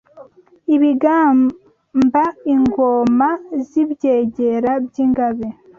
Ibigamba Ingoma z’ibyegera by’ingabe